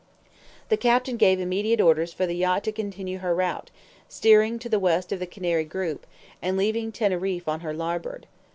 The captain gave immediate orders for the yacht to continue her route, steering to the west of the Canary group, and leaving Teneriffe on her larboard.